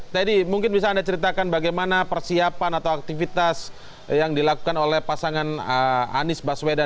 teddy mungkin bisa anda ceritakan bagaimana persiapan atau aktivitas yang dilakukan oleh pasangan anies baswedan